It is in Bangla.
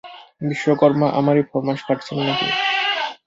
বিশ্বকর্মা আমারই ফর্মাস খাটছেন না কি?